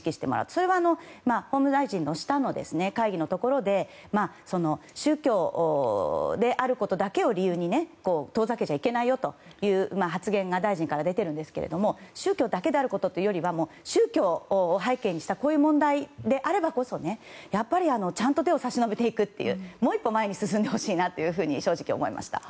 それは法務大臣の下の会議のところで宗教であることだけを理由に遠ざけちゃいけないよという発言が大臣から出ているんですが宗教だけであることというよりは宗教を背景にしたこういう問題であればこそやっぱりちゃんと手を差し伸べていくもう一歩前に進んでほしいなと正直、思いました。